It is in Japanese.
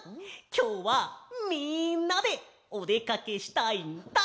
きょうはみんなでおでかけしたいんだ！